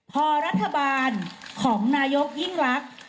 พอรัฐบาลของนายกยิ่งรัก